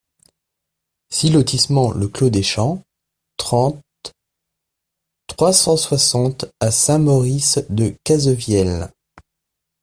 six lotissement le Clos des Camps, trente, trois cent soixante à Saint-Maurice-de-Cazevieille